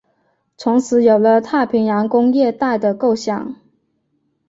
从此有了太平洋工业带的构想。